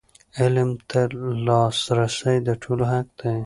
علم ته لاسرسی د ټولو حق دی.